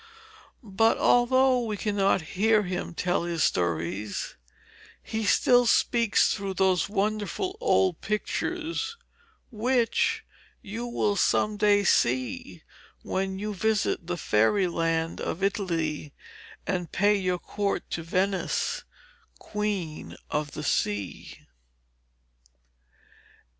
But although we cannot hear him tell his stories, he still speaks through those wonderful old pictures which you will some day see when you visit the fairyland of Italy, and pay your court to Venice, Queen of the Sea.